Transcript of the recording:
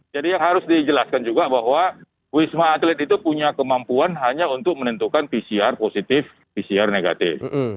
jadi harus dijelaskan juga bahwa wisma atlet itu punya kemampuan hanya untuk menentukan pcr positif pcr negatif